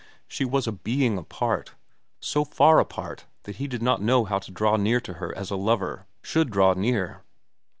She was a being apart, so far apart that he did not know how to draw near to her as a lover should draw near.